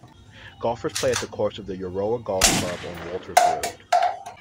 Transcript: Golfers play at the course of the Euroa Golf Club on Walters Road.